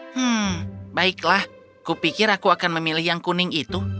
hmm baiklah kupikir aku akan memilih yang kuning itu